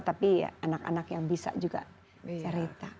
tapi anak anak yang bisa juga cerita